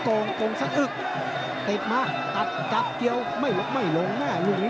โอ้ยโกงสะอึกติดมาตับเกี่ยวไม่ลงแน่